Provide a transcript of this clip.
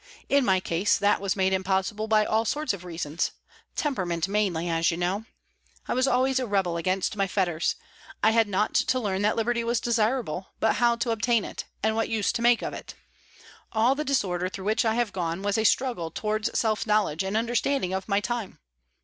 In my case that was made impossible by all sorts of reasons temperament mainly, as you know. I was always a rebel against my fetters; I had not to learn that liberty was desirable, but how to obtain it, and what use to make of it. All the disorder through which I have gone was a struggle towards self knowledge and understanding of my time.